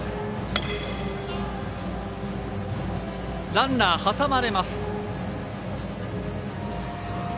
ランナー挟まれます。